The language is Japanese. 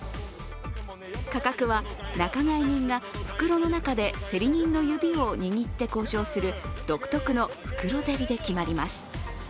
価格は仲買人が袋の中で競り人の指を握って交渉する独特の袋競りで決まります。